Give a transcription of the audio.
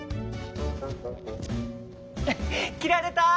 きられた！